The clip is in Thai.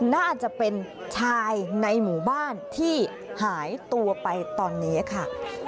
น่าจะเป็นชายในหมู่บ้านที่หายตัวไปตอนนี้ค่ะ